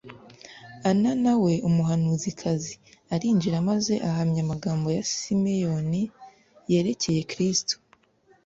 Ana na we, umuhanuzikazi, arinjira maze ahamya amagambo ya Simeyoni yerekeye Kristo